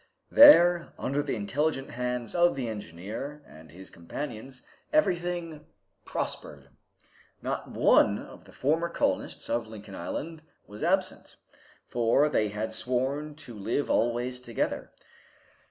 There, under the intelligent hands of the engineer and his companions, everything prospered. Not one of the former colonists of Lincoln Island was absent, for they had sworn to live always together.